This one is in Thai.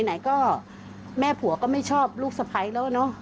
ไหนก็แม่ผัวก็ไม่ชอบลูกสะพ้ายแล้วเนอะ